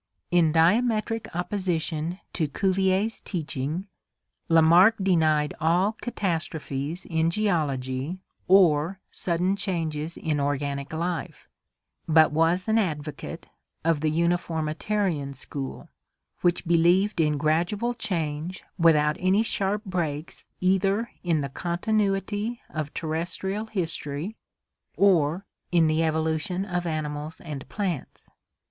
In diametric opposition to Cuvier's teaching, Lamarck denied all catastrophes in geology or sudden changes in organic life, but was an advocate of the Uniformitarian school, which believed in gradual change without any sharp breaks either in the continuity of terrestrial history or in the evolution of animals and plants.